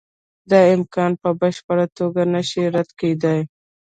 دا امکان په بشپړه توګه نشي رد کېدای.